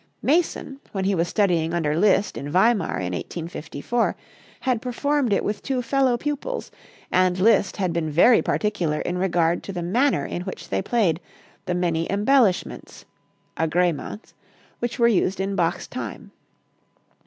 Mason, when he was studying under Liszt in Weimar in 1854, had performed it with two fellow pupils, and Liszt had been very particular in regard to the manner in which they played the many embellishments (agréments) which were used in Bach's time.